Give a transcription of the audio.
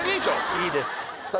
いいです